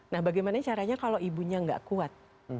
nah bagaimana caranya kalau ibunya nggak kuat